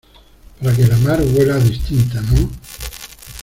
para que la mar huela distinta, ¿ no?